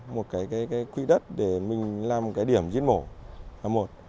một cái quy đất để mình làm cái điểm diễn mổ là một